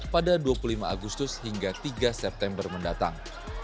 pada dua puluh lima agustus hingga tiga september mendatang